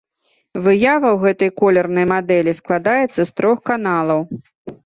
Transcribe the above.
Выява ў гэтай колернай мадэлі складаецца з трох каналаў.